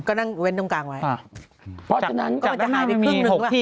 ก็นั่งเว้นตรงกลางไว้อ่ะเพราะฉะนั้นจากด้านน้ำมันมีหกที่